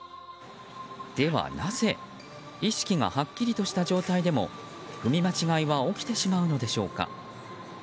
では、なぜ意識がはっきりとした状態でも踏み間違いは起きてしまうのでしょうか。